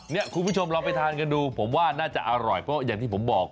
คุณผู้ชมลองไปทานกันดูผมว่าน่าจะอร่อยเพราะอย่างที่ผมบอก